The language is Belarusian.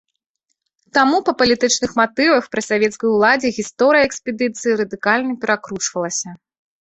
Таму па палітычных матывах пры савецкай уладзе гісторыя экспедыцыі радыкальна перакручвалася.